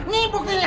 ngebuk nih ya